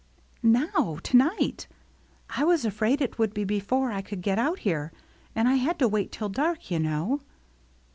" Now — to night. I was afraid it would be before I could get out here. And I had to wait till dark, yoU know."